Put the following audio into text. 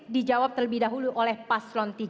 dijawab terlebih dahulu oleh paslon tiga